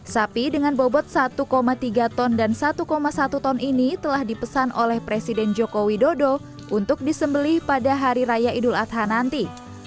sapi dengan bobot satu tiga ton dan satu satu ton ini telah dipesan oleh presiden joko widodo untuk disembeli pada hari raya idul adha nanti